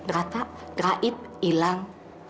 rata raib ilang